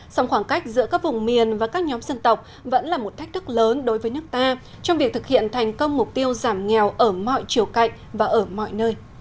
sòng khoảng cách giữa các vùng miền và các nhóm dân tộc vẫn là một thách thức lớn đối với nước ta trong việc thực hiện thành công mục tiêu giảm nghèo ở mọi chiều cạnh và ở mọi nơi